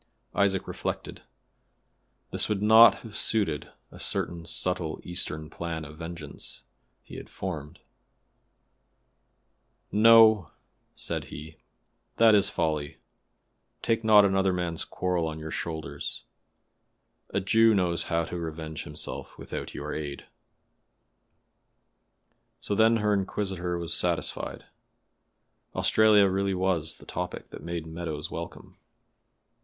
Isaac reflected. This would not have suited a certain subtle Eastern plan of vengeance he had formed. "No!" said he, "that is folly. Take not another man's quarrel on your shoulders. A Jew knows how to revenge himself without your aid." So then her inquisitor was satisfied; Australia really was the topic that made Meadows welcome.